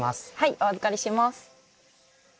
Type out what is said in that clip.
お預かりします。